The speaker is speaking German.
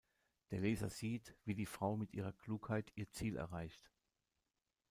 Der Leser sieht, wie die Frau mit ihrer Klugheit ihr Ziel erreicht.